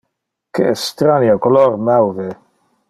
Que estranie color mauve!